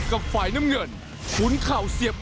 สวัสดีครับ